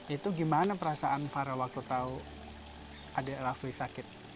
itu gimana perasaan farel waktu tahu adik rafli sakit